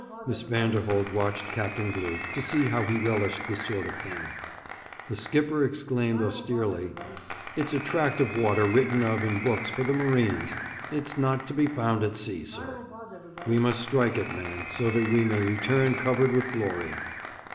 Miss Vanderholt watched Captain Glew, to see how he relished this sort of thing. The skipper exclaimed austerely: 'It's a tract of water written of in books for the marines. It's not to be found at sea, sir.' 'We must strike it, man, so that we may return covered with glory.'